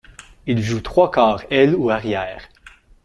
Il joue trois quart aile ou arrière.